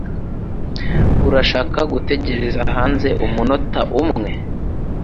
Urashaka gutegereza hanze umunota umwe?